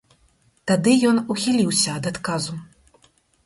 Тады ён ухіліўся ад адказу.